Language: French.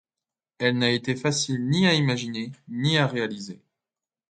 Elle n’a été facile ni à imaginer, ni à réaliser.